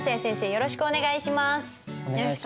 よろしくお願いします。